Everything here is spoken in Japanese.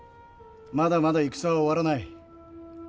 まだまだ戦は終わらない。